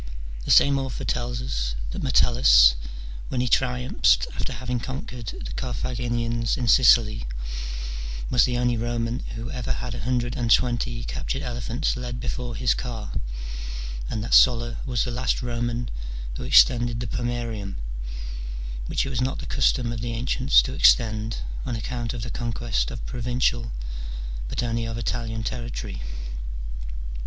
The same author tells us that CH. XIV.] OF THE SHORTNESS OF LIFE. 309 Metellus, when he triumphed after having conquered the Carthaginians in Sicily, was the only Eoman who ever had a hundred and twenty captured elephants led before his car : and that Sulla was the last Roman who extended the pomoerium/ which it was not the custom of the ancients to extend on account of the conquest of provincial, but only of Italian territory.